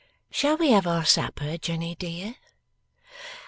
'Shall we have our supper, Jenny dear?